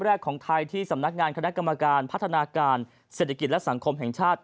แรกของไทยที่สำนักงานคณะกรรมการพัฒนาการเศรษฐกิจและสังคมแห่งชาติ